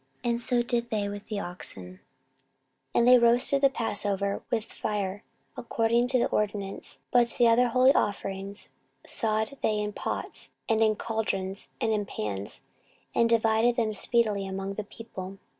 And so did they with the oxen. 14:035:013 And they roasted the passover with fire according to the ordinance: but the other holy offerings sod they in pots, and in caldrons, and in pans, and divided them speedily among all the people.